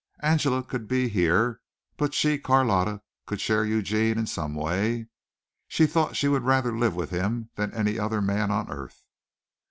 Angela could be here, but she, Carlotta, could share Eugene in some way. She thought she would rather live with him than any other man on earth.